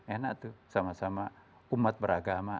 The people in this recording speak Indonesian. enak tuh sama sama umat beragama